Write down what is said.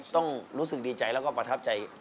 ต้องรู้สึกดีใจแล้วก็ประทับใจ